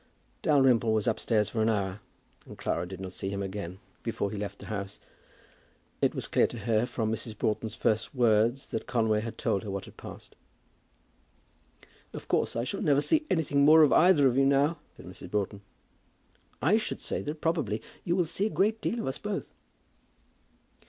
Dalrymple was upstairs for an hour, and Clara did not see him again before he left the house. It was clear to her, from Mrs. Broughton's first words, that Conway had told her what had passed. "Of course I shall never see anything more of either of you now?" said Mrs. Broughton. "I should say that probably you will see a great deal of us both."